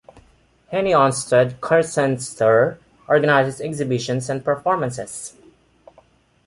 Henie Onstad Kunstsenter organizes exhibitions and performances.